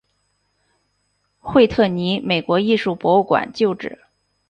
惠特尼美国艺术博物馆旧址。